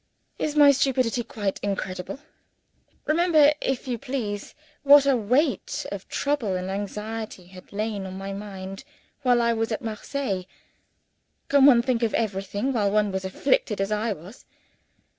Is my stupidity quite incredible? Remember, if you please, what a weight of trouble and anxiety had lain on my mind while I was at Marseilles. Can one think of everything while one is afflicted, as I was?